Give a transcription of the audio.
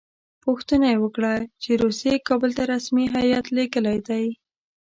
پوښتنه یې وکړه چې روسیې کابل ته رسمي هیات لېږلی دی.